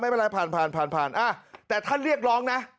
ไม่เป็นไรผ่านผ่านแต่ท่านเรียกร้องนะ